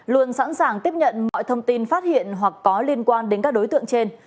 luôn sẵn sàng tiếp nhận mọi thông tin phát hiện hoặc có liên quan đến các đối tượng trên